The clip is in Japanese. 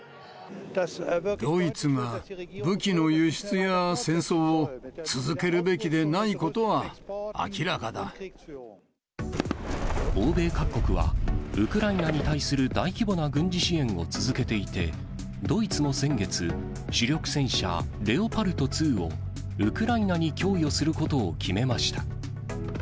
ドイツが武器の輸出や戦争を欧米各国は、ウクライナに対する大規模な軍事支援を続けていて、ドイツも先月、主力戦車、レオパルト２をウクライナに供与することを決めました。